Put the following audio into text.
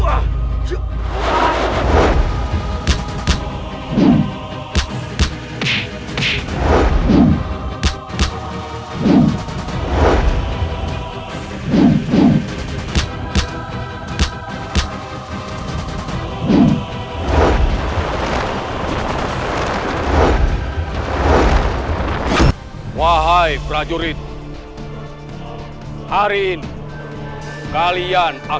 aku akan lelai